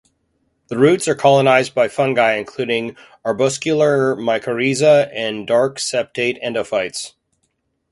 The roots are colonised by fungi including arbuscular mycorrhiza and dark septate endophytes.